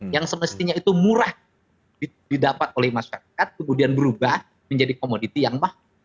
yang semestinya itu murah didapat oleh masyarakat kemudian berubah menjadi komoditi yang mahal